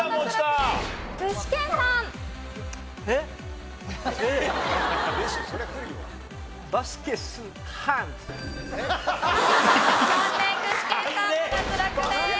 具志堅さんも脱落です。